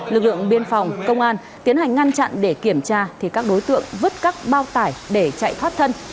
lực lượng biên phòng công an tiến hành ngăn chặn để kiểm tra thì các đối tượng vứt các bao tải để chạy thoát thân